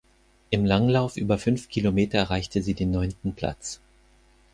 Im Langlauf über fünf Kilometer erreichte sie den neunten Platz.